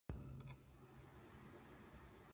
戸惑いを口にした